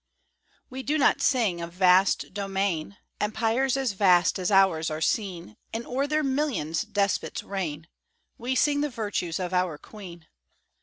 We do not sing of vast domain Empires as vast as ours are seen, And o'er their millions despots reign; We sing the virtues of our Queen.